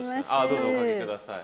どうぞおかけ下さい。